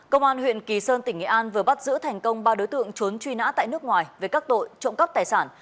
công an huyện kỳ sơn tỉnh nghệ an vừa bắt giữ thành công ba đối tượng trốn truy nã tại nước ngoài về các tội trộm cắp tài sản